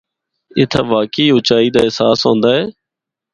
اِتھا واقعی اُچائی دا احساس ہوندا اے۔